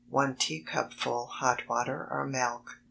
1 teacupful hot water or milk.